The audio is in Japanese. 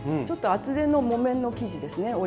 ちょっと厚手の木綿の生地ですね